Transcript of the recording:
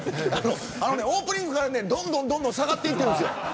オープニングからねどんどん下がっていっているんですよ。